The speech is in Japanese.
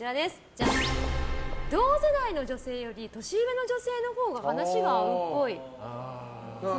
同世代の女性より年上の女性のほうが話が合うっぽい。